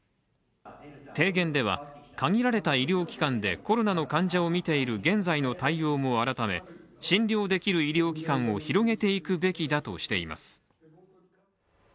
提言では、限られた医療機関でコロナの患者を診ている現在の対応も改め診療できる医療機関を広げていくべきだとしています。